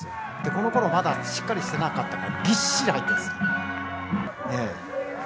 この頃まだしっかりしていなかったからギッシリ入っているんですね。